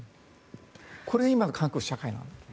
これが今の韓国社会です。